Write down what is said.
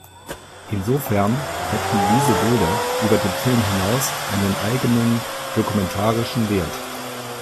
Insofern hätten diese Bilder über den Film hinaus einen eigenen dokumentarischen Wert.